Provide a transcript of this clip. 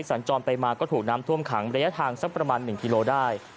สัญจรไปมาก็ถูกน้ำท่วมขังระยะทางสักประมาณ๑กิโลได้